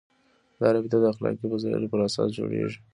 دا رابطه د اخلاقي فضایلو پر اساس جوړېږي.